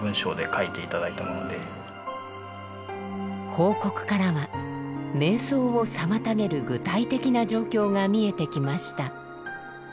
報告からは瞑想を妨げる具体的な状況が見えてきました。